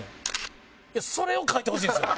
それを書いてほしいんですよ。